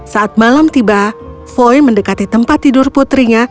saat malam tiba voi mendekati tempat tidur putrinya